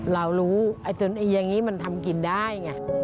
เรารู้จนอย่างนี้มันทำกินได้ไง